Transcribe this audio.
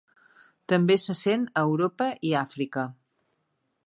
També se sent a Europa i Àfrica.